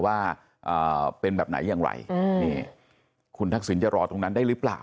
ว่าเป็นแบบไหนอย่างไรนี่คุณทักษิณจะรอตรงนั้นได้หรือเปล่า